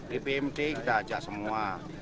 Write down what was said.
dpmt kita ajak semua